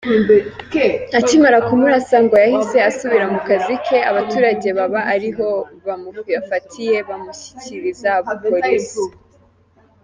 Akimara kumurasa ngo yahise asubira mu kazi ke, abaturage baba ariho bamufatiye bamushyikiriza Polisi.